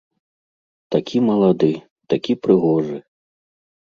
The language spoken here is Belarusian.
Такі малады, такі прыгожы!